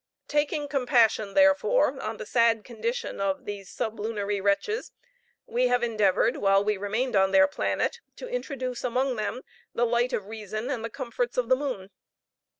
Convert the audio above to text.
Taking compassion, therefore, on the sad condition of these sublunary wretches, we have endeavored, while we remained on their planet, to introduce among them the light of reason and the comforts of the moon.